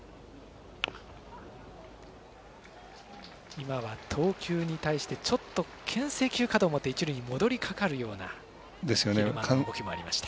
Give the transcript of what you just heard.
今は投球に対してちょっとけん制球かと思って一塁に戻りかかるような蛭間の動きがありました。